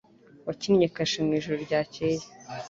Wakinnye kashe mu ijoro ryakeye